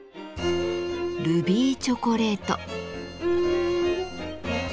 「ルビーチョコレート」。